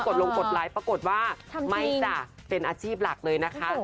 ลงกดไลค์ปรากฏว่าไม่จ้ะเป็นอาชีพหลักเลยนะคะ